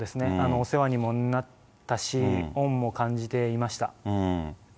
お世話にもなったし、恩も感じていました。